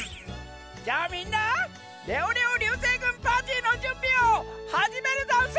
じゃあみんなレオレオりゅうせいぐんパーティーのじゅんびをはじめるざんす！